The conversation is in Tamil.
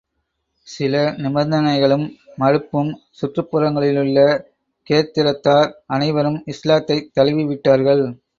சில நிபந்தனைகளும் மறுப்பும் சுற்றுப் புறங்களிலுள்ள கேர்த்திரத்தார் அனைவரும் இஸ்லாத்தைத் தழுவி விட்டார்கள்.